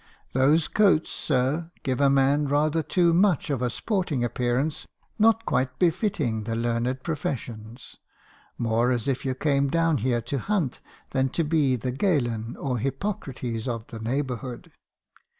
" 'Those coats, sir, give a man rather too much of a sporting appearance, not quite befitting the learned professions; more as if you came down here to hunt than to be the Galen or Hippocrates of the neighbourhood.'